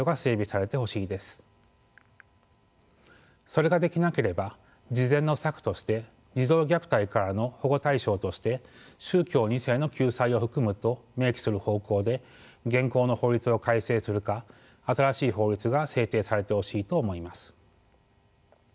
それができなければ次善の策として児童虐待からの保護対象として「宗教２世の救済を含む」と明記する方向で現行の法律を改正するか新しい法律が制定されてほしいと思います。